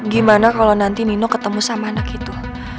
gimana kalau nanti nino ketemu sama anak itu